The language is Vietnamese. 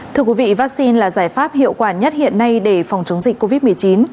thưa quý vị vaccine là giải pháp hiệu quả nhất hiện nay để phòng chống dịch covid một mươi chín